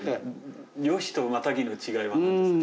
猟師とマタギの違いは何ですか？